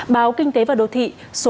báo kinh tế và đô thị